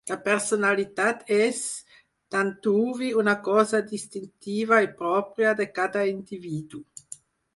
La personalitat és, d'antuvi, una cosa distintiva i pròpia de cada individu.